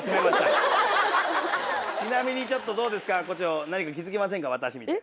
ちなみにちょっとどうですか何か気付きませんか私見て。